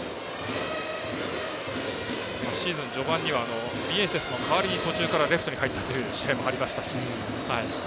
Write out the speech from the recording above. シーズン序盤にはミエセスの代わりに途中からレフトに入った試合もありましたし。